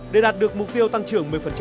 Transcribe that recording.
để đạt được mục tiêu tăng trưởng một mươi